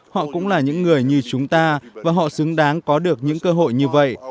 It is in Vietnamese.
họ cũng là những người như chúng ta và họ xứng đáng có được những cơ hội như vậy